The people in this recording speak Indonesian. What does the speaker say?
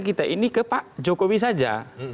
kita ini ke pak jokowi saja